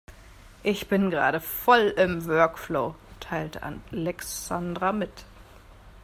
Ich bin gerade voll im Workflow, teilte Alexandra mit.